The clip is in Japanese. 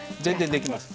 できますか。